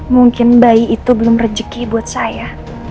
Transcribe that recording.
mungkin bayi itu belum rejeki buat saya